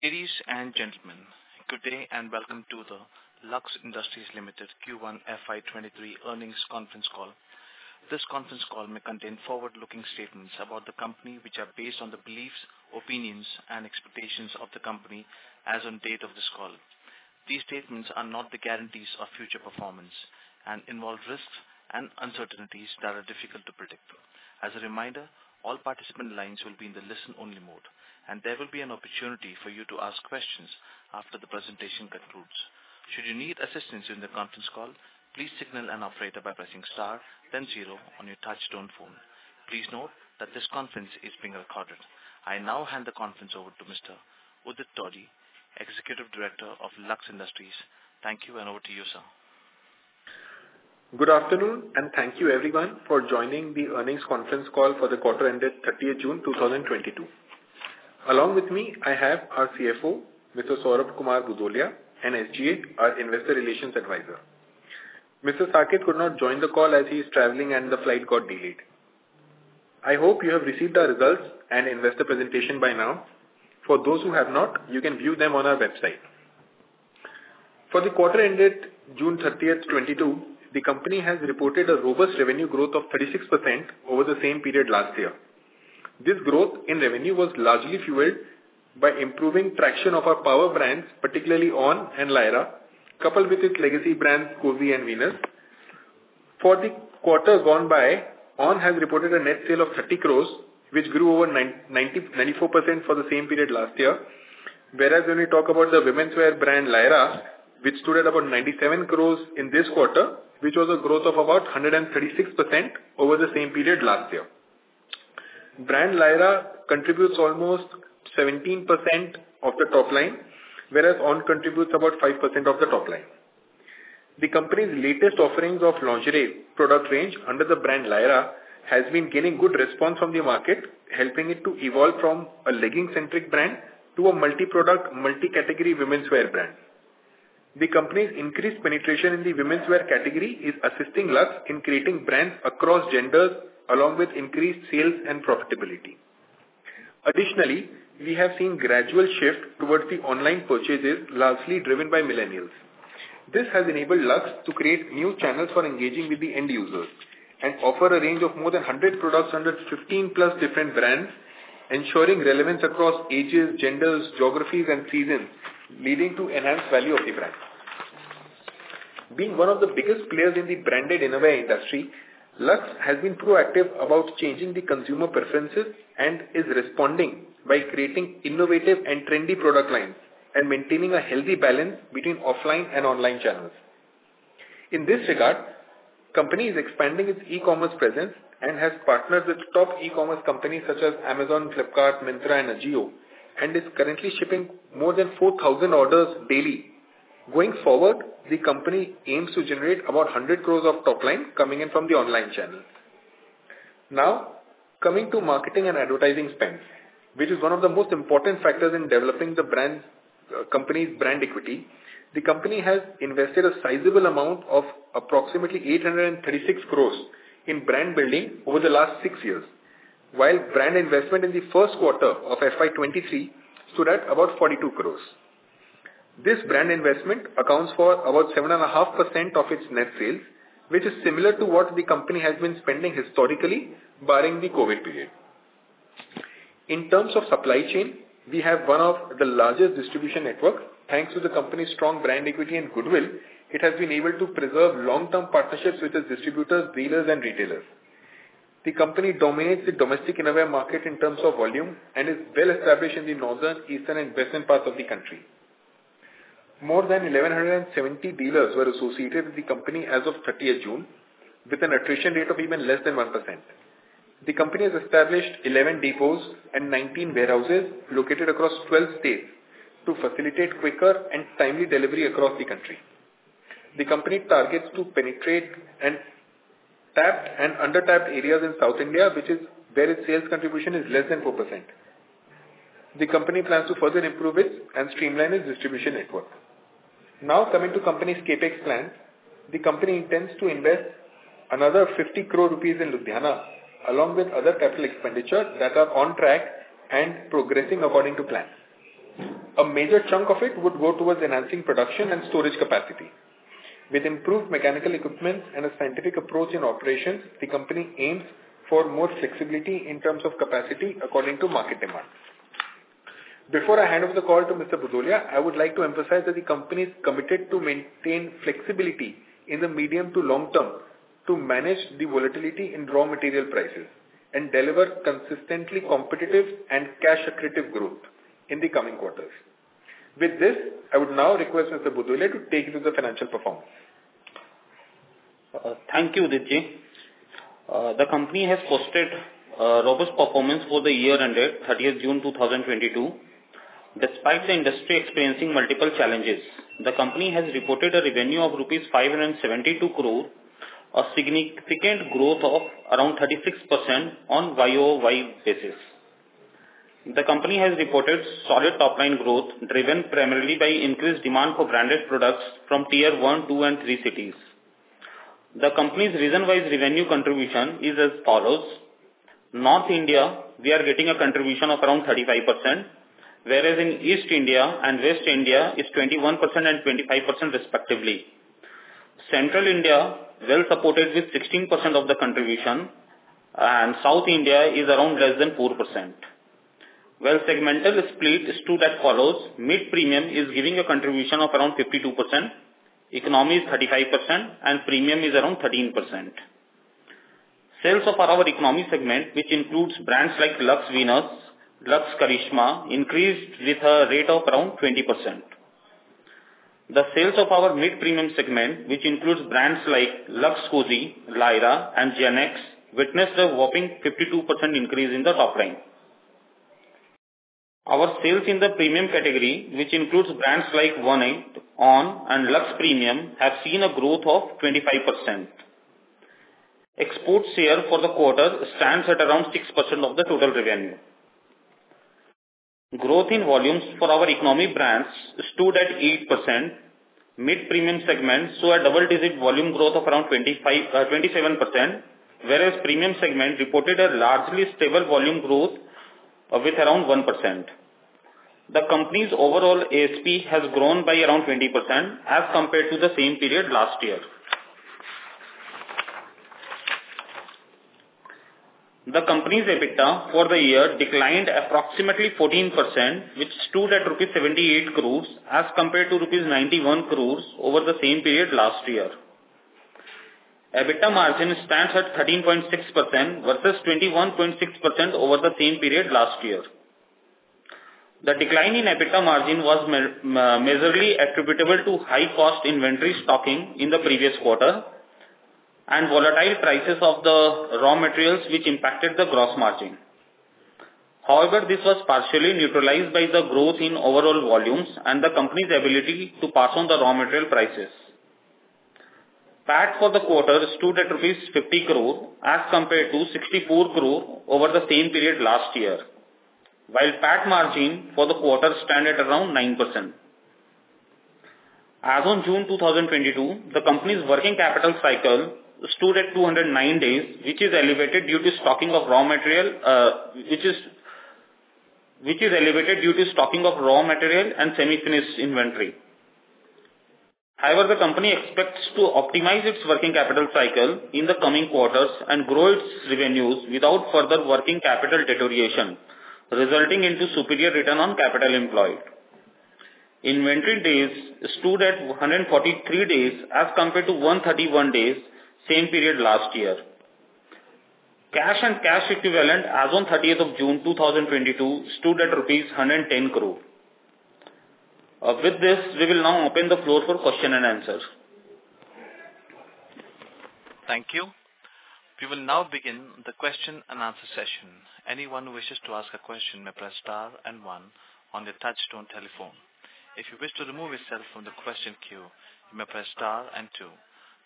Ladies and gentlemen, good day, welcome to the Lux Industries Limited Q1 FY2023 Earnings Conference Call. This conference call may contain forward-looking statements about the company, which are based on the beliefs, opinions, and expectations of the company as on date of this call. These statements are not the guarantees of future performance and involve risks and uncertainties that are difficult to predict. As a reminder, all participant lines will be in the listen-only mode, there will be an opportunity for you to ask questions after the presentation concludes. Should you need assistance in the conference call, please signal an operator by pressing star, then zero on your touch-tone phone. Please note that this conference is being recorded. I now hand the conference over to Mr. Udit Todi, Executive Director of Lux Industries. Thank you, over to you, sir. Good afternoon, thank you everyone for joining the earnings conference call for the quarter ended June 30, 2022. Along with me, I have our CFO, Mr. Saurabh Kumar Bhudolia, and SGA, our investor relations advisor. Mr. Saket could not join the call as he is traveling and the flight got delayed. I hope you have received our results and investor presentation by now. For those who have not, you can view them on our website. For the quarter ended June 30, 2022, the company has reported a robust revenue growth of 36% over the same period last year. This growth in revenue was largely fueled by improving traction of our power brands, particularly ONN and Lyra, coupled with its legacy brands, Cozi and Venus. For the quarter gone by, ONN has reported a net sale of 30 crore, which grew over 94% for the same period last year. When we talk about the womenswear brand, Lyra, which stood at about 97 crore in this quarter, which was a growth of about 136% over the same period last year. Brand Lyra contributes almost 17% of the top line, whereas ONN contributes about 5% of the top line. The company's latest offerings of lingerie product range under the brand Lyra, has been getting good response from the market, helping it to evolve from a legging-centric brand to a multi-product, multi-category womenswear brand. The company's increased penetration in the womenswear category is assisting Lux in creating brands across genders, along with increased sales and profitability. Additionally, we have seen gradual shift towards the online purchases, largely driven by millennials. This has enabled Lux to create new channels for engaging with the end users, and offer a range of more than 100 products under 15+ different brands, ensuring relevance across ages, genders, geographies, and seasons, leading to enhanced value of the brand. Being one of the biggest players in the branded innerwear industry, Lux has been proactive about changing the consumer preferences, and is responding by creating innovative and trendy product lines, and maintaining a healthy balance between offline and online channels. In this regard, company is expanding its e-commerce presence and has partnered with top e-commerce companies such as Amazon, Flipkart, Myntra, and AJIO, and is currently shipping more than 4,000 orders daily. Going forward, the company aims to generate about 100 crore of top line coming in from the online channel. Coming to marketing and advertising spend, which is one of the most important factors in developing the company's brand equity. The company has invested a sizable amount of approximately 836 crore in brand building over the last 6 years, while brand investment in Q1 FY23 stood at about 42 crore. This brand investment accounts for about 7.5% of its net sales, which is similar to what the company has been spending historically, barring the COVID period. In terms of supply chain, we have one of the largest distribution network. Thanks to the company's strong brand equity and goodwill, it has been able to preserve long-term partnerships with its distributors, dealers, and retailers. The company dominates the domestic innerwear market in terms of volume and is well established in the northern, eastern, and western parts of the country. More than 1,170 dealers were associated with the company as of June 30, with an attrition rate of even less than 1%. The company has established 11 depots and 19 warehouses located across 12 states to facilitate quicker and timely delivery across the country. The company targets to penetrate and tapped and under-tapped areas in South India, which is where its sales contribution is less than 4%. The company plans to further improve it and streamline its distribution network. Coming to company's CapEx plans. The company intends to invest another 50 crore rupees in Ludhiana, along with other capital expenditure that are on track and progressing according to plans. A major chunk of it would go towards enhancing production and storage capacity. With improved mechanical equipment and a scientific approach in operations, the company aims for more flexibility in terms of capacity according to market demands. Before I hand off the call to Mr. Bhudolia, I would like to emphasize that the company is committed to maintain flexibility in the medium to long term, to manage the volatility in raw material prices, and deliver consistently competitive and cash accretive growth in the coming quarters. With this, I would now request Mr. Bhudolia to take you through the financial performance. Thank you, Udit Todi. The company has posted robust performance for the year ended June 30, 2022. Despite the industry experiencing multiple challenges, the company has reported a revenue of 572 crore rupees, a significant growth of around 36% on YoY basis. The company has reported solid top-line growth, driven primarily by increased demand for branded products from Tier one, two, and three cities. ...The company's region-wise revenue contribution is as follows: North India, we are getting a contribution of around 35%, whereas in East India and West India, it's 21% and 25% respectively. Central India, well supported with 16% of the contribution, and South India is around less than 4%. Well, segmental split is two that follows, mid-premium is giving a contribution of around 52%, economy is 35%, and premium is around 13%. Sales of our economy segment, which includes brands like Lux Venus, Lux Karishma, increased with a rate of around 20%. The sales of our mid-premium segment, which includes brands like Lux Cozi, Lyra, and GenX, witnessed a whopping 52% increase in the top line. Our sales in the premium category, which includes brands like One8, ONN and Lux Premium, have seen a growth of 25%. Export sale for the quarter stands at around 6% of the total revenue. Growth in volumes for our economy brands stood at 8%, mid-premium segments saw a double-digit volume growth of around 27%, whereas premium segment reported a largely stable volume growth of around 1%. The company's overall ASP has grown by around 20% as compared to the same period last year. The company's EBITDA for the year declined approximately 14%, which stood at rupees 78 crore as compared to rupees 91 crore over the same period last year. EBITDA margin stands at 13.6% versus 21.6% over the same period last year. The decline in EBITDA margin was majorly attributable to high-cost inventory stocking in the previous quarter, and volatile prices of the raw materials, which impacted the gross margin. However, this was partially neutralized by the growth in overall volumes and the company's ability to pass on the raw material prices. PAT for the quarter stood at rupees 50 crore as compared to 64 crore over the same period last year, while PAT margin for the quarter stand at around 9%. As on June 2022, the company's working capital cycle stood at 209 days, which is elevated due to stocking of raw material, which is elevated due to stocking of raw material and semi-finished inventory. However, the company expects to optimize its working capital cycle in the coming quarters and grow its revenues without further working capital deterioration, resulting into superior return on capital employed. Inventory days stood at 143 days, as compared to 131 days, same period last year. Cash and cash equivalent as on 30th of June 2022, stood at INR 110 crore. With this, we will now open the floor for question and answers. Thank you. We will now begin the question and answer session. Anyone who wishes to ask a question may press star and one on their touch-tone telephone. If you wish to remove yourself from the question queue, you may press star and two.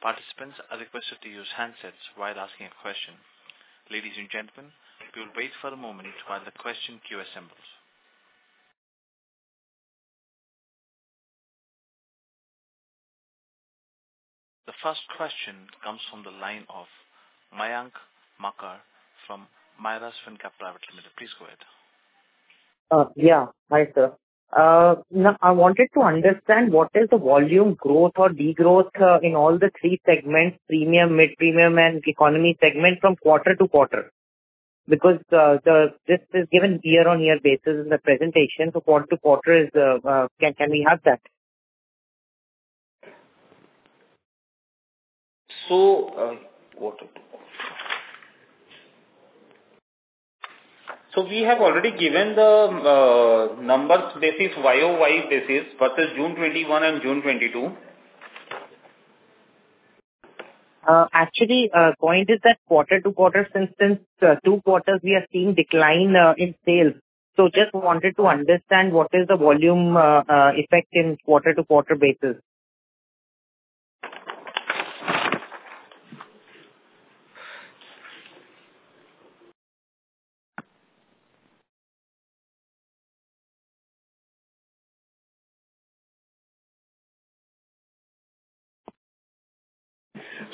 Participants are requested to use handsets while asking a question. Ladies and gentlemen, we will wait for a moment while the question queue assembles. The first question comes from the line of Mayank Makar from Mirae Asset Capital Markets. Please go ahead. Yeah. Hi, sir. Now, I wanted to understand what is the volume growth or degrowth in all the three segments, premium, mid-premium, and economy segment from quarter-to-quarter? Because this is given year-on-year basis in the presentation, so quarter-to-quarter is, can we have that? quarter to quarter. We have already given the numbers. This is YoY basis versus June 21 and June 22. Actually, point is that quarter to quarter, since then, two quarters we are seeing decline in sales. Just wanted to understand what is the volume effect in quarter-to-quarter basis?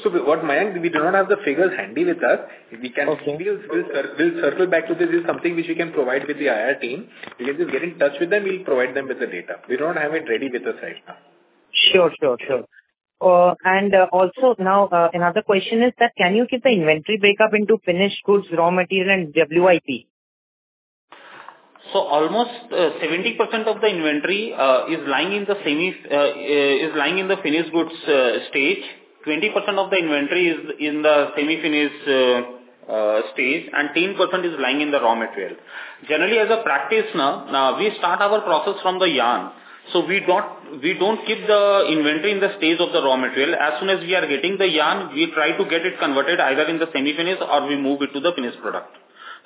What, Mayank, we do not have the figures handy with us. Okay. We can, we'll, we'll circle back to this, this is something which we can provide with the IR team. We can just get in touch with them, we'll provide them with the data. We don't have it ready with us right now. Sure, sure, sure. Also now, another question is that can you give the inventory breakup into finished goods, raw material, and WIP? Almost 70% of the inventory is lying in the semi, is lying in the finished goods stage. 20% of the inventory is in the semi-finished stage, and 10% is lying in the raw material. Generally, as a practice now, we start our process from the yarn. We don't, we don't keep the inventory in the stage of the raw material. As soon as we are getting the yarn, we try to get it converted either in the semi-finished or we move it to the finished product.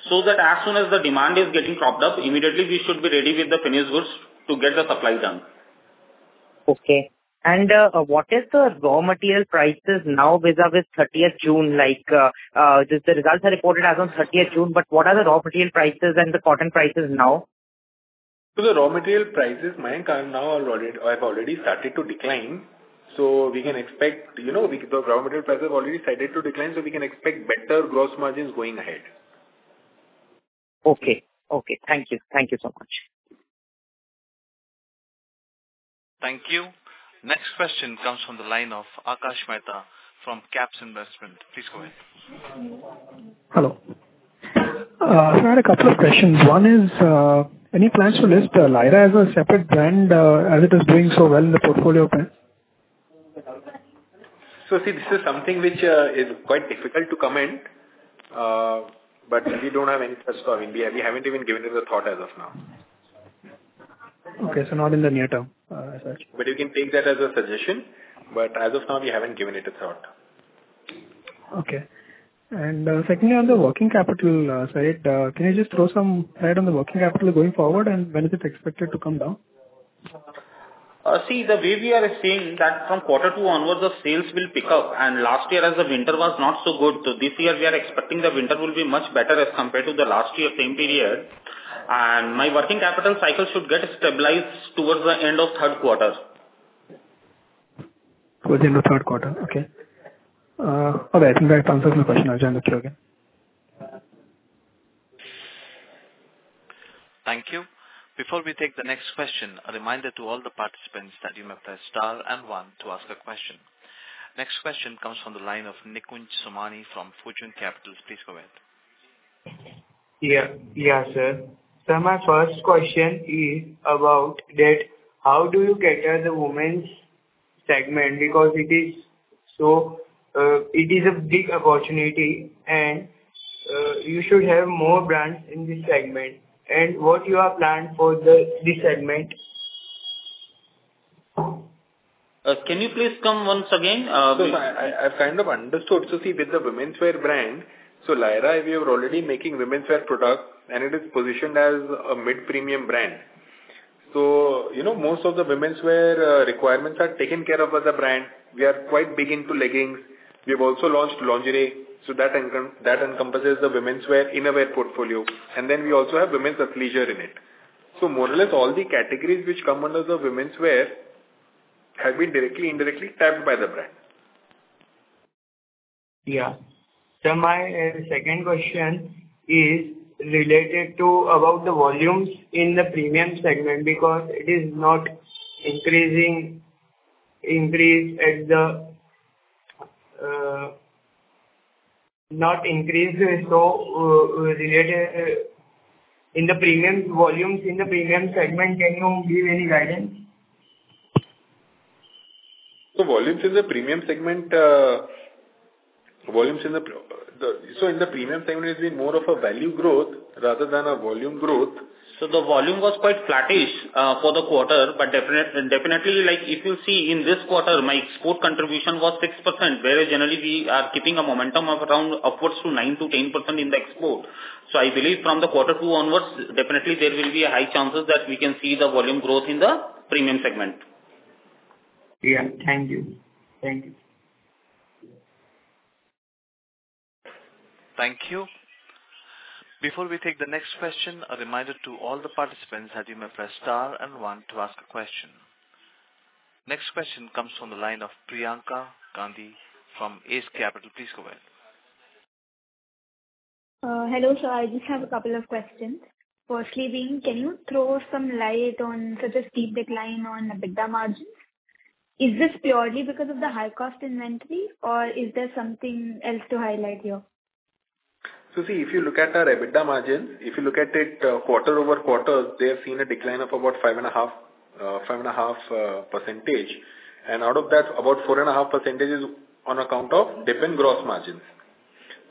That as soon as the demand is getting propped up, immediately we should be ready with the finished goods to get the supply done. Okay. What is the raw material prices now vis-a-vis 30th June, like, the results are reported as on 30th June, but what are the raw material prices and the cotton prices now? The raw material prices, Mike, are now already, have already started to decline, so we can expect, you know, the raw material prices have already started to decline, so we can expect better gross margins going ahead. Okay. Okay, thank you. Thank you so much. Thank you. Next question comes from the line of Akash Mehta from Caps Investment. Please go ahead. Hello. sir, I had a couple of questions. One is, any plans to list the Lyra as a separate brand, as it is doing so well in the portfolio brand? See, this is something which is quite difficult to comment, but we don't have any plans for. We, we haven't even given it a thought as of now. Okay, not in the near term, as such. You can take that as a suggestion, but as of now, we haven't given it a thought. Okay. Secondly, on the working capital side, can you just throw some light on the working capital going forward, and when is it expected to come down? See, the way we are seeing that from Q2 onwards, the sales will pick up. Last year as the winter was not so good, so this year we are expecting the winter will be much better as compared to the last year same period. My working capital cycle should get stabilized towards the end of Q3. Within the third quarter, okay. Okay, I think that answers my question. I'll join with you again. Thank you. Before we take the next question, a reminder to all the participants that you may press star and one to ask a question. Next question comes from the line of Nikunj Somani from Fortune Capital. Please go ahead. Yeah. Yeah, sir. My first question is about that, how do you cater the women's segment? Because it is so, it is a big opportunity, and you should have more brands in this segment. What you have planned for this segment? Can you please come once again? I, I, I kind of understood. See, with the womenswear brand, Lyra, we are already making womenswear products, and it is positioned as a mid-premium brand. You know, most of the womenswear requirements are taken care of as a brand. We are quite big into leggings. We've also launched lingerie, so that encompasses the womenswear in our wear portfolio, and then we also have women's athleisure in it. More or less all the categories which come under the womenswear have been directly, indirectly tapped by the brand. Yeah. My second question is related to about the volumes in the premium segment, because it is not increasing. In the premium volumes, in the premium segment, can you give any guidance? Volumes in the premium segment, volumes in the premium segment, it's been more of a value growth rather than a volume growth. The volume was quite flattish for the quarter, but definitely, like, if you see in this quarter, my export contribution was 6%, whereas generally we are keeping a momentum of around upwards to 9%-10% in the export. I believe from the quarter two onwards, definitely there will be a high chances that we can see the volume growth in the premium segment. Yeah. Thank you. Thank you. Thank you. Before we take the next question, a reminder to all the participants that you may press star and one to ask a question. Next question comes from the line of Priyanka Gandhi from ACE Capital. Please go ahead. Hello, sir, I just have a couple of questions. Firstly being, can you throw some light on the steep decline on the EBITDA margins? Is this purely because of the high cost inventory, or is there something else to highlight here? See, if you look at our EBITDA margin, if you look at it, quarter-over-quarter, they have seen a decline of about 5.5%, and out of that, about 4.5% is on account of dip in gross margins.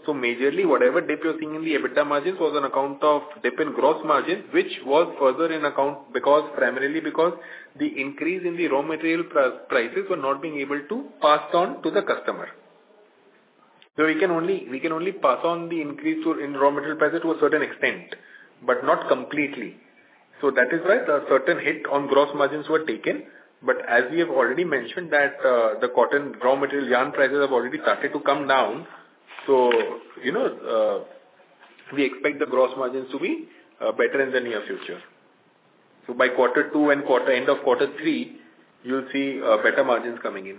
Majorly, whatever dip you're seeing in the EBITDA margins was on account of dip in gross margin, which was further in account, because, primarily because the increase in the raw material prices were not being able to pass on to the customer. We can only, we can only pass on the increase to, in raw material prices to a certain extent, but not completely. That is why the certain hit on gross margins were taken. As we have already mentioned that, the cotton raw material yarn prices have already started to come down. You know, we expect the gross margins to be better in the near future. By quarter two and quarter, end of quarter three, you'll see better margins coming in.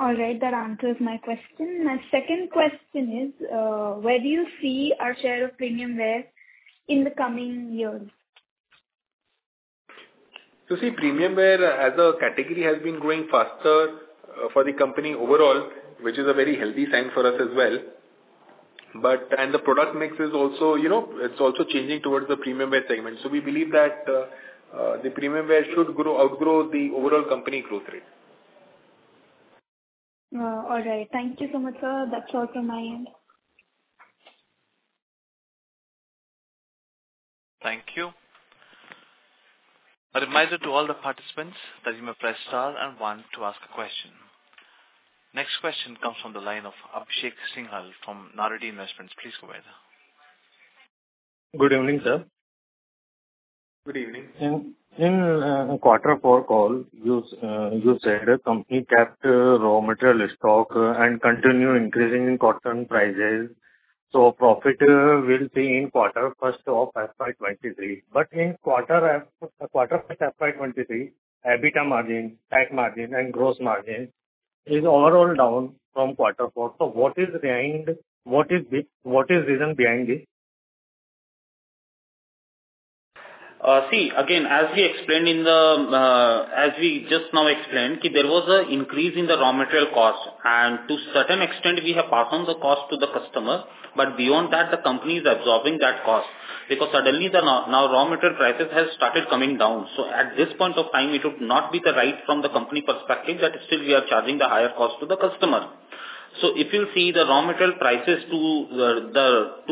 All right, that answers my question. My second question is: Where do you see our share of premium wear in the coming years? See, premium wear as a category has been growing faster, for the company overall, which is a very healthy sign for us as well. The product mix is also, you know, it's also changing towards the premium wear segment. We believe that, the premium wear should grow, outgrow the overall company growth rate. All right. Thank you so much, sir. That's all from my end. Thank you. A reminder to all the participants that you may press star and one to ask a question. Next question comes from the line of Abhishek Singhal from Naredi Investments. Please go ahead. Good evening, sir. Good evening. In, in, Q4 call, you, you said the company kept, raw material stock, and continue increasing in cotton prices. Profit, we'll see in Q1 of FY 23. In Q1 FY 23, EBITDA margin, tax margin, and gross margin is overall down from Q4. What is the reason behind this? See, again, as we explained in the, as we just now explained, there was a increase in the raw material cost. To certain extent, we have passed on the cost to the customer. Beyond that, the company is absorbing that cost. Suddenly the raw material prices has started coming down. At this point of time, it would not be the right from the company perspective, that still we are charging the higher cost to the customer. If you see the raw material prices to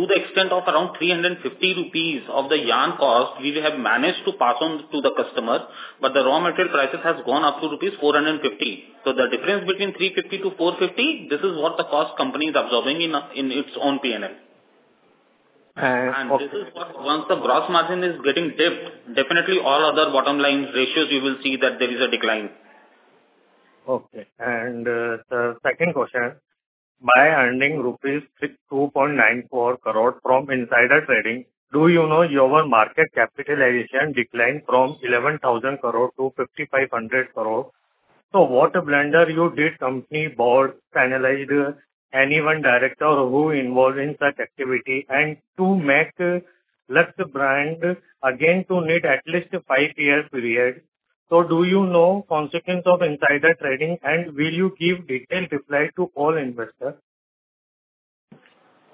the extent of around 350 rupees of the yarn cost, we have managed to pass on to the customer. The raw material prices has gone up to rupees 450. The difference between 350-450, this is what the cost company is absorbing in its own P&L. And- This is what, once the gross margin is getting dipped, definitely all other bottom line ratios, you will see that there is a decline. Okay. The second question, by earning 2.94 crore rupees from insider trading, do you know your market capitalization declined from 11,000 crore to 5,500 crore? What blunder you did company board penalized anyone director who involved in such activity, and to make Lux brand again to need at least a 5-year period? Do you know consequence of insider trading, and will you give detailed reply to all investors?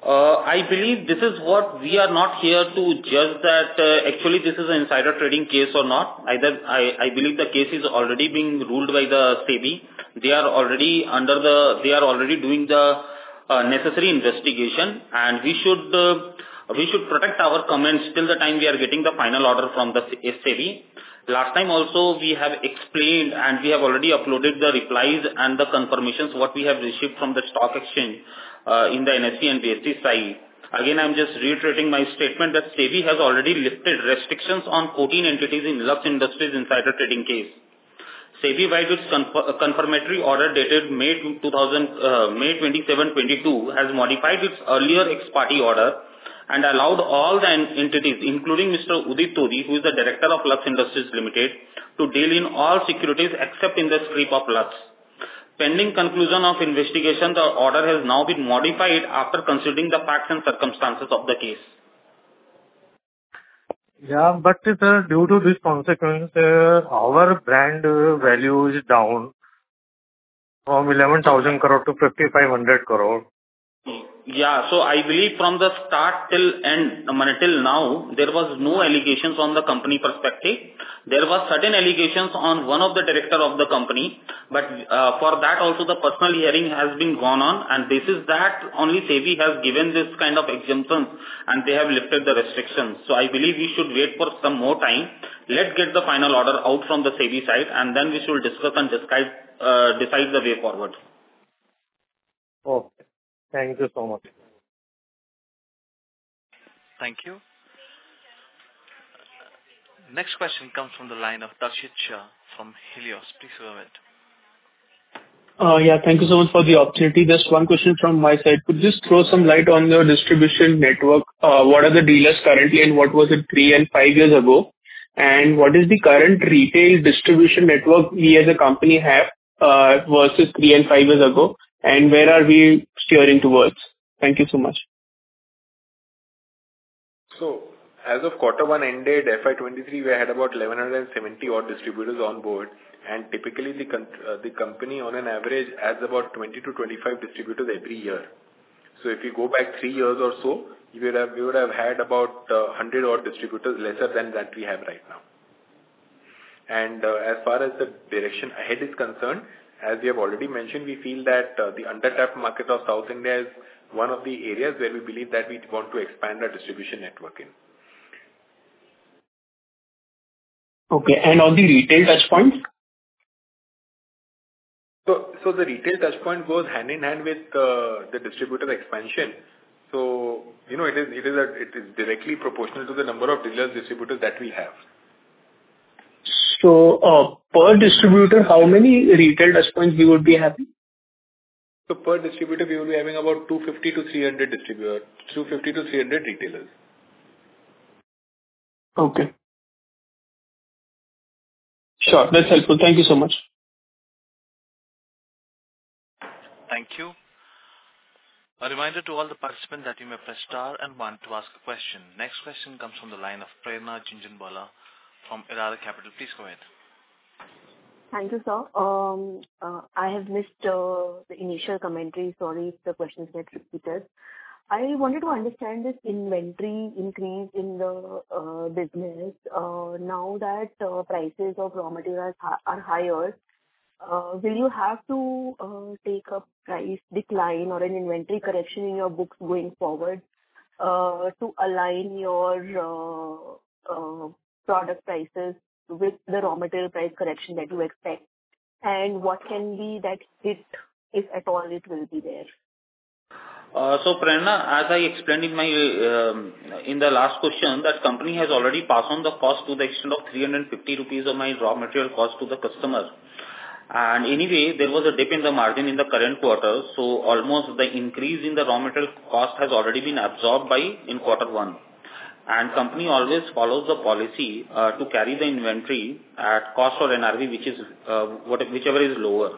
I believe this is what we are not here to judge that actually this is an insider trading case or not. I believe the case is already being ruled by the SEBI. They are already doing the necessary investigation. We should protect our comments till the time we are getting the final order from the SEBI. Last time also, we have explained and we have already uploaded the replies and the confirmations, what we have received from the stock exchange in the NSE and BSE side. I'm just reiterating my statement that SEBI has already lifted restrictions on 14 entities in Lux Industries insider trading case. SEBI, by this confirmatory order dated May 27, 2022, has modified its earlier ex parte order and allowed all the entities, including Mr. Udit Todi, who is the director of Lux Industries Limited, to deal in all securities, except in the scrip of Lux. Pending conclusion of investigation, the order has now been modified after considering the facts and circumstances of the case. Yeah, sir, due to this consequence, our brand value is down from 11,000 crore to 5,500 crore. Yeah. I believe from the start till end, I mean, till now, there was no allegations on the company perspective. There was certain allegations on one of the director of the company, but for that also, the personal hearing has been gone on, and this is that only SEBI has given this kind of exemption, and they have lifted the restrictions. I believe we should wait for some more time. Let's get the final order out from the SEBI side, and then we should discuss and describe, decide the way forward. Okay. Thank you so much. Thank you. Next question comes from the line of Darshit Shah from Helios. Please go ahead. Yeah, thank you so much for the opportunity. Just one question from my side. Could you just throw some light on your distribution network? What are the dealers currently, and what was it three and five years ago? What is the current retail distribution network you as a company have versus three and five years ago, and where are we steering towards? Thank you so much. As of Q1 ended, FY23, we had about 1,170 odd distributors on board, and typically the company on an average adds about 20-25 distributors every year. If you go back three years or so, we would have had about 100 odd distributors, lesser than that we have right now. As far as the direction ahead is concerned, as we have already mentioned, we feel that the under-tapped market of South India is one of the areas where we believe that we want to expand our distribution network in. Okay. On the retail touchpoint? The retail touchpoint goes hand-in-hand with the distributor expansion. You know, it is directly proportional to the number of dealers, distributors that we have. Per distributor, how many retail touchpoints you would be having? Per distributor, we will be having about 250-300 distributor, 250-300 retailers. Okay. Sure, that's helpful. Thank you so much. Thank you. A reminder to all the participants that you may press star and one to ask a question. Next question comes from the line of Prerna Jhunjhunwala from Elara Capital. Please go ahead. Thank you, sir. I have missed the initial commentary. Sorry if the questions get repeated. I wanted to understand this inventory increase in the business. Now that prices of raw materials are, are higher, will you have to take a price decline or an inventory correction in your books going forward, to align your product prices with the raw material price correction that you expect? What can be that hit, if at all it will be there? Prerna, as I explained in my in the last question, that company has already passed on the cost to the extent of 350 rupees on my raw material cost to the customer. Anyway, there was a dip in the margin in the current quarter, so almost the increase in the raw material cost has already been absorbed by in quarter one. Company always follows the policy, to carry the inventory at cost or NRV, which is, what- whichever is lower.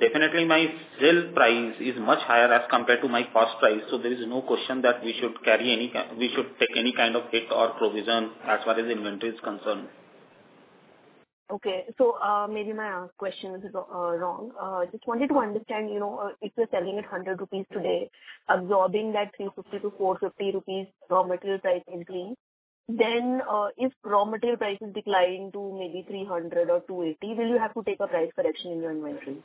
Definitely, my sale price is much higher as compared to my cost price, so there is no question that we should carry any kind... We should take any kind of hit or provision as far as inventory is concerned. Okay. maybe my question is wrong. Just wanted to understand, you know, if you're selling at 100 rupees today, absorbing that 350-450 rupees raw material price increase, if raw material prices decline to maybe 300 or 280, will you have to take a price correction in your inventory?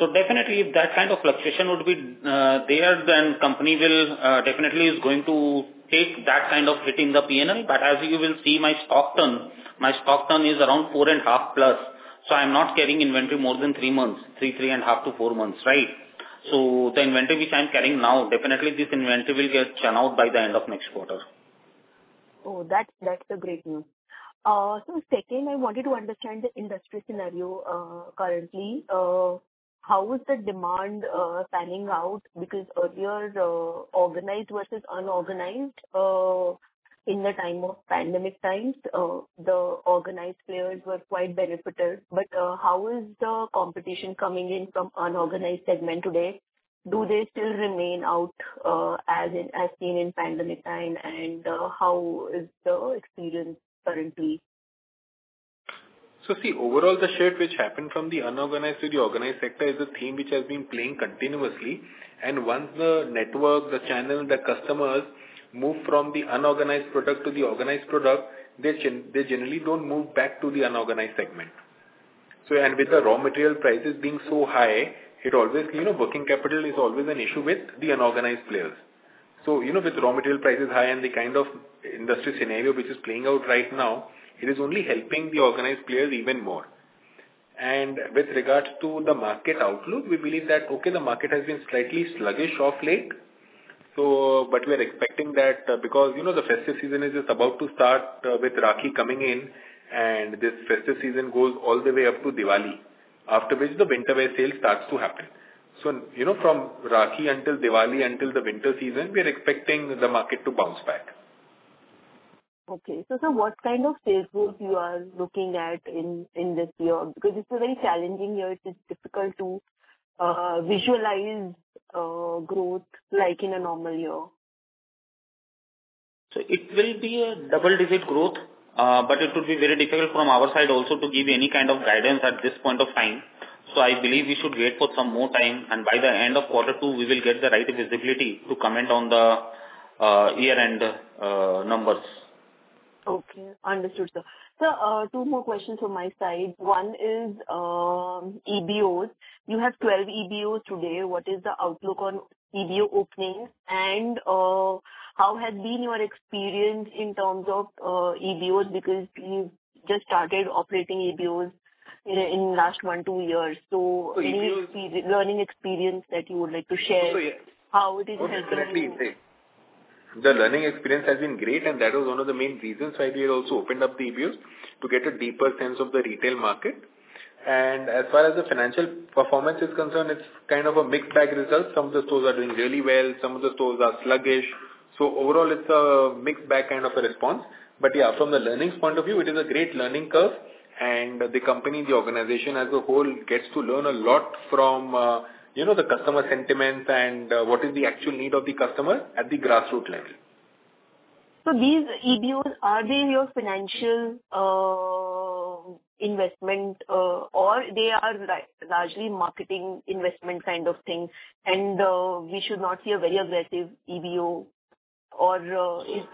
Definitely, if that kind of fluctuation would be there, then company will definitely is going to take that kind of hit in the PNL. As you will see, my stock turn, my stock turn is around 4.5 plus, so I'm not carrying inventory more than three months, three, three and half four months, right? The inventory which I'm carrying now, definitely this inventory will get churn out by the end of next quarter. That's, that's a great news. Second, I wanted to understand the industry scenario, currently. How is the demand panning out? Because earlier, the organized versus unorganized in the time of pandemic times, the organized players were quite benefited. How is the competition coming in from unorganized segment today? Do they still remain out, as in, as seen in pandemic time, and how is the experience currently? See, overall, the shift which happened from the unorganized to the organized sector is a theme which has been playing continuously. Once the network, the channel, the customers move from the unorganized product to the organized product, they generally don't move back to the unorganized segment. With the raw material prices being so high, it always, you know, working capital is always an issue with the unorganized players. You know, with raw material prices high and the kind of industry scenario which is playing out right now, it is only helping the organized players even more. With regards to the market outlook, we believe that, okay, the market has been slightly sluggish off late, so but we are expecting that because, you know, the festive season is just about to start with Rakhi coming in, and this festive season goes all the way up to Diwali, after which the winter wear sale starts to happen. So, you know, from Rakhi until Diwali, until the winter season, we are expecting the market to bounce back. Okay. Sir, what kind of sales growth you are looking at in, in this year? Because it's a very challenging year, it is difficult to visualize growth like in a normal year. It will be a double-digit growth, but it would be very difficult from our side also to give you any kind of guidance at this point of time. I believe we should wait for some more time, and by the end of quarter two, we will get the right visibility to comment on the year-end numbers. Okay, understood, sir. Sir, two more questions from my side. One is EBOs. You have 12 EBOs today. What is the outlook on EBO openings? How has been your experience in terms of EBOs? Because you just started operating EBOs in, in last one, two years. Any learning experience that you would like to share? Yeah. How it is helping you? The learning experience has been great, and that was one of the main reasons why we had also opened up the EBOs, to get a deeper sense of the retail market. As far as the financial performance is concerned, it's kind of a mixed bag result. Some of the stores are doing really well, some of the stores are sluggish. Overall, it's a mixed bag kind of a response. Yeah, from the learnings point of view, it is a great learning curve, and the company, the organization as a whole, gets to learn a lot from, you know, the customer sentiments and what is the actual need of the customer at the grassroots level. These EBOs, are they your financial, investment, or they are largely marketing investment kind of thing, and, we should not see a very aggressive EBO?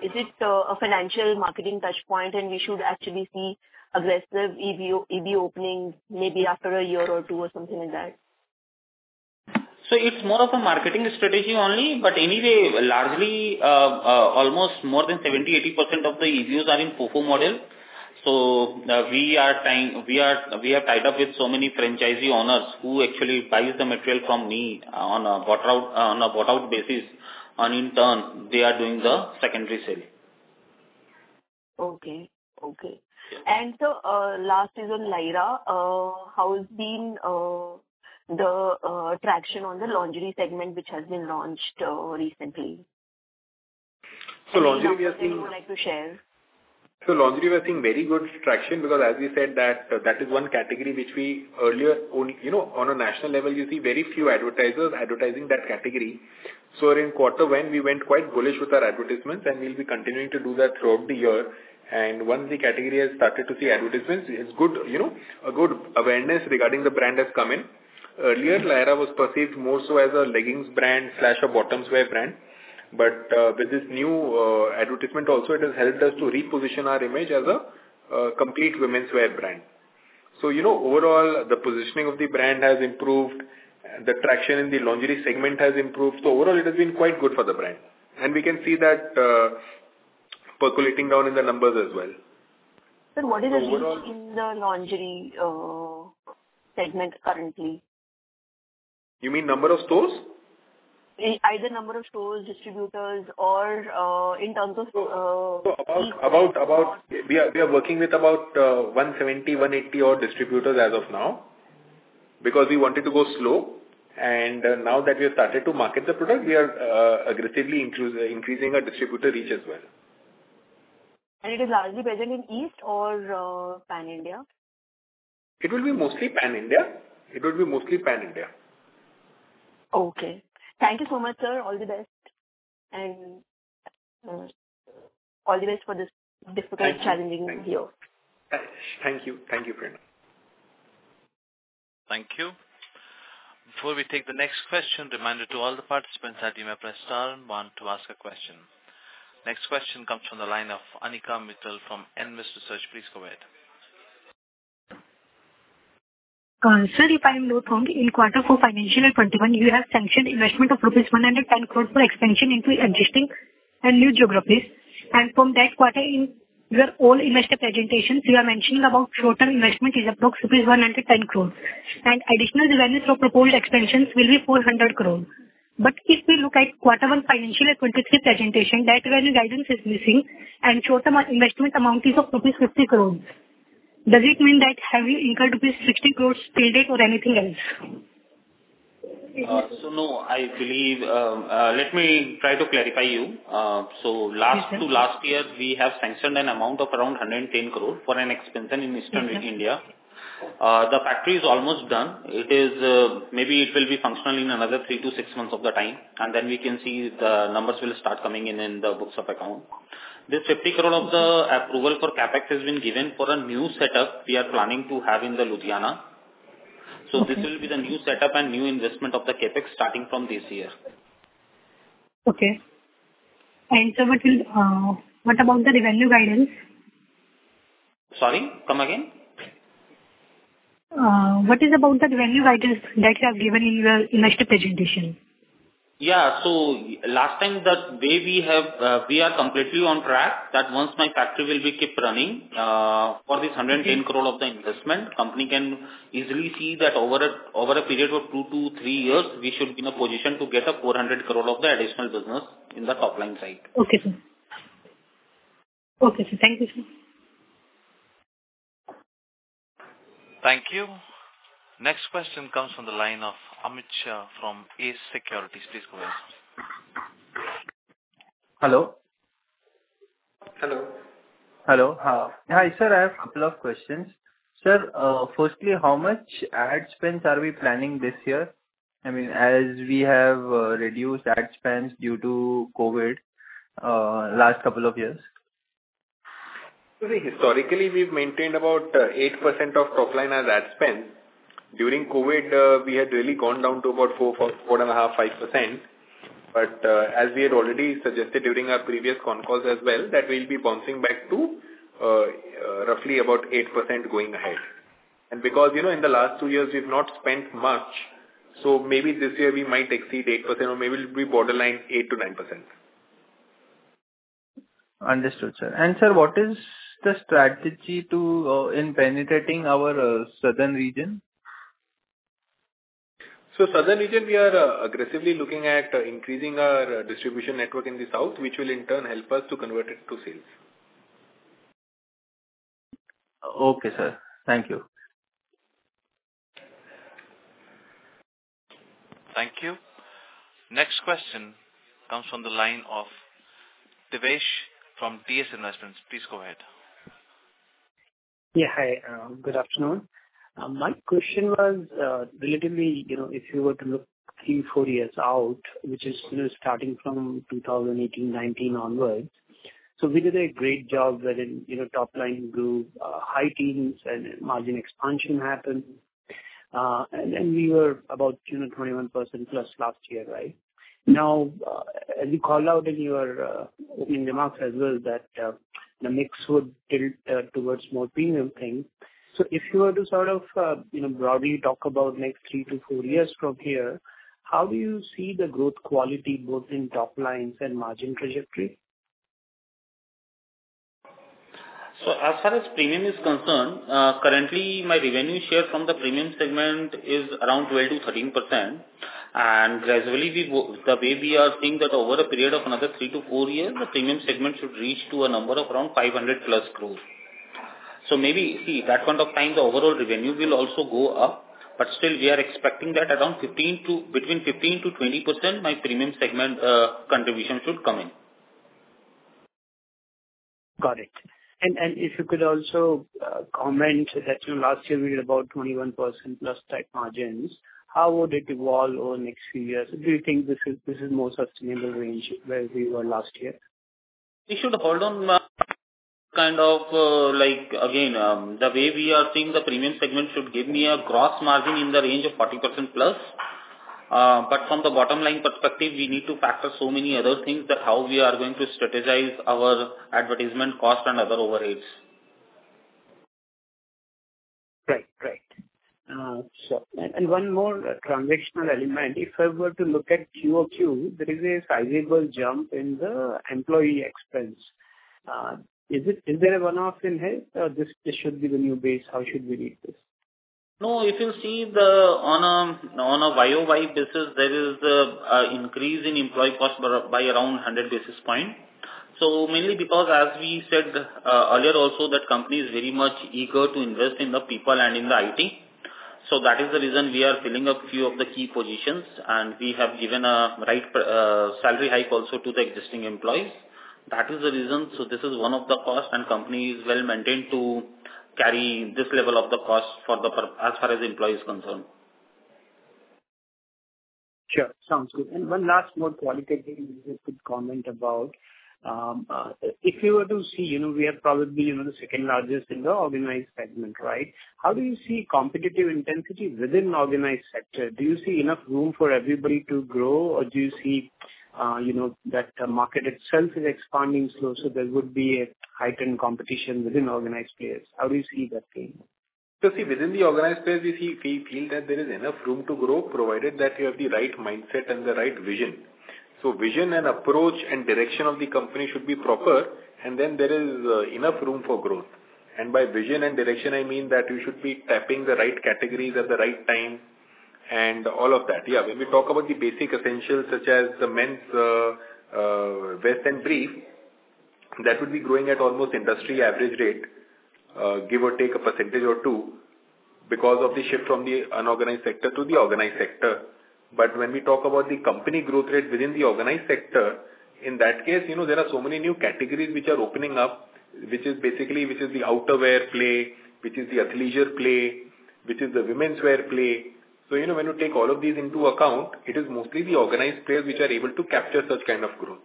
Is it a financial marketing touch point, and we should actually see aggressive EBO, EBO openings maybe after a year or two or something like that? It's more of a marketing strategy only, but anyway, largely, almost more than 70%, 80% of the EBOs are in FOFO model. We are trying... We are, we are tied up with so many franchisee owners who actually buys the material from me on a bought out, on a bought out basis, and in turn, they are doing the secondary sale. Okay, okay. Last is on Lyra. How is being the traction on the lingerie segment, which has been launched recently? Lingerie we are seeing. Anything you would like to share? Lingerie, we are seeing very good traction because as we said that, that is one category which we earlier on, you know, on a national level, you see very few advertisers advertising that category. In quarter one, we went quite bullish with our advertisements, and we'll be continuing to do that throughout the year. Once the category has started to see advertisements, it's good, you know, a good awareness regarding the brand has come in. Earlier, Lyra was perceived more so as a leggings brand/a bottoms wear brand, but with this new advertisement also, it has helped us to reposition our image as a complete womenswear brand. You know, overall, the positioning of the brand has improved, the traction in the lingerie segment has improved. overall, it has been quite good for the brand, and we can see that percolating down in the numbers as well. Sir, what is the range in the lingerie segment currently? You mean number of stores? Either number of stores, distributors, or, in terms of- About, we are working with about 170, 180 odd distributors as of now, because we wanted to go slow. Now that we have started to market the product, we are aggressively increasing our distributor reach as well. It is largely present in East or Pan India? It will be mostly Pan India. It will be mostly Pan India. Okay. Thank you so much, sir. All the best and all the best for this difficult, challenging year. Thank you. Thank you, Prerna. Thank you. Before we take the next question, reminder to all the participants that you may press star one to ask a question. Next question comes from the line of Anika Mittal from Invest Research. Please go ahead. Sir, if I'm not wrong, in Q4 FY21, you have sanctioned investment of rupees 110 crore for expansion into existing and new geographies. From that quarter, in your all investor presentations, you are mentioning about total investment is approx rupees 110 crore. Additional revenues for proposed expansions will be 400 crore. If we look at Q1 FY23 presentation, that very guidance is missing, and total investment amount is of rupees 50 crore. Does it mean that have you incurred rupees 60 crore payday or anything else? no, I believe, let me try to clarify you. last- Mm-hmm. -to last year, we have sanctioned an amount of around 110 crore for an expansion in Mm-hmm. Eastern India. The factory is almost done. It is, maybe it will be functional in another three to six months of the time, and then we can see the numbers will start coming in, in the books of account. This 50 crore of the approval for CapEx has been given for a new setup we are planning to have in the Ludhiana. Okay. This will be the new setup and new investment of the CapEx starting from this year. Okay. What will, what about the revenue guidance? Sorry, come again? What is about the revenue guidance that you have given in your investor presentation? Yeah. last time, the way we have, we are completely on track, that once my factory will be keep running, for this 100 Mm-hmm. 10 crore of the investment, company can easily see that over a, over a period of two-three years, we should be in a position to get a 400 crore of the additional business in the top line side. Okay, sir. Okay, sir. Thank you, sir. Thank you. Next question comes from the line of Amit Shah from Ace Securities. Please go ahead. Hello? Hello. Hello. Hi, sir, I have couple questions. Sir, firstly, how much ad spends are we planning this year? I mean, as we have reduced ad spends due to COVID, last couple years. Historically, we've maintained about 8% of top line as ad spend. During COVID, we had really gone down to about 4%, 4%, 4.5%, 5%. As we had already suggested during our previous concalls as well, that we'll be bouncing back to roughly about 8% going ahead. Because, you know, in the last two years, we've not spent much, so maybe this year we might exceed 8% or maybe it'll be borderline 8%-9%. Understood, sir. Sir, what is the strategy to in penetrating our southern region? Southern region, we are aggressively looking at increasing our distribution network in the South, which will in turn help us to convert it to sales. Okay, sir. Thank you. Thank you. Next question comes from the line of Divesh from BS Investments. Please go ahead. Yeah, hi, good afternoon. My question was, relatively, you know, if you were to look three, four years out, which is, you know, starting from 2018, 2019 onwards. We did a great job letting, you know, top line grow, high teens and margin expansion happened. Then we were about 10 and 21%+ last year, right? Mm-hmm. As you call out in your opening remarks as well, that the mix would tilt towards more premium things. If you were to sort of, you know, broadly talk about next three to four years from here, how do you see the growth quality, both in top lines and margin trajectory? As far as premium is concerned, currently, my revenue share from the premium segment is around 12%-13%. Gradually, the way we are seeing that over a period of another three-four years, the premium segment should reach to a number of around 500+ crore. Maybe, see, that point of time, the overall revenue will also go up, but still we are expecting that around 15 between 15%-20%, my premium segment contribution should come in. Got it. And if you could also, comment that last year we had about 21% plus type margins, how would it evolve over the next few years? Do you think this is, this is more sustainable range where we were last year? It should hold on, kind of, like, again, the way we are seeing the premium segment should give me a gross margin in the range of 40% plus. From the bottom line perspective, we need to factor so many other things that how we are going to strategize our advertisement cost and other overheads. Right. Right. And one more transitional element, if I were to look at QOQ, there is a sizable jump in the employee expense. Is it, is there a one-off in here, or this, this should be the new base? How should we read this? If you see the, on a, on a YoY basis, there is a increase in employee cost by around 100 basis points. Mainly because, as we said earlier also, that company is very much eager to invest in the people and in the IT. That is the reason we are filling up few of the key positions, and we have given a right salary hike also to the existing employees. That is the reason. This is one of the costs, and company is well-maintained to carry this level of the cost as far as employee is concerned. Sure, sounds good. One last more qualitative quick comment about, if you were to see, you know, we are probably, you know, the second largest in the organized segment, right? How do you see competitive intensity within organized sector? Do you see enough room for everybody to grow, or do you see, you know, that the market itself is expanding slow, so there would be a heightened competition within organized players? How do you see that playing out? See, within the organized players, we see, we feel that there is enough room to grow, provided that you have the right mindset and the right vision. Vision and approach and direction of the company should be proper, and then there is enough room for growth. And by vision and direction, I mean that you should be tapping the right categories at the right time, and all of that. Yeah, when we talk about the basic essentials, such as the men's vest and brief, that would be growing at almost industry average rate, give or take a percentage or two, because of the shift from the unorganized sector to the organized sector. When we talk about the company growth rate within the organized sector, in that case, you know, there are so many new categories which are opening up, which is basically, which is the outerwear play, which is the athleisure play, which is the women's wear play. You know, when you take all of these into account, it is mostly the organized players which are able to capture such kind of growth.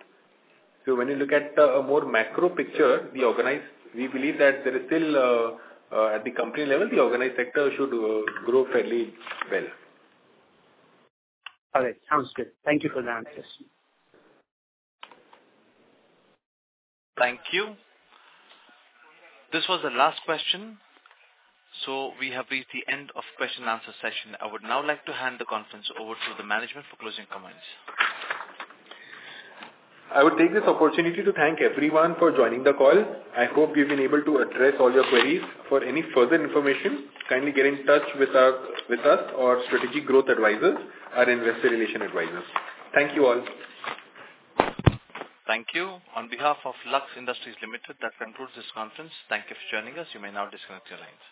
When you look at a more macro picture, the organized, we believe that there is still at the company level, the organized sector should grow fairly well. All right. Sounds good. Thank you for the answers. Thank you. This was the last question. We have reached the end of question and answer session. I would now like to hand the conference over to the management for closing comments. I would take this opportunity to thank everyone for joining the call. I hope we've been able to address all your queries. For any further information, kindly get in touch with with us or Strategic Growth Advisors, our investor relations advisors. Thank you, all. Thank you. On behalf of Lux Industries Limited, that concludes this conference. Thank you for joining us. You may now disconnect your lines.